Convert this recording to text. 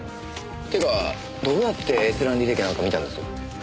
っていうかどうやって閲覧履歴なんか見たんです？